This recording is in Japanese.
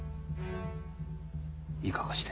いかがして？